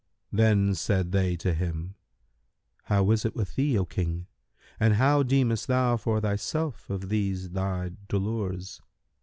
Then said they to him, "How is it with thee, O King, and how deemest thou for thyself of these thy dolours?"